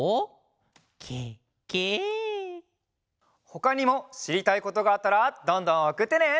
ほかにもしりたいことがあったらどんどんおくってね！